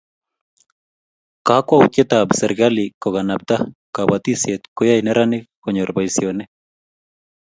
Kakwautietab serkali kokanabta kobotisiet koyoei neranik konyor boisionik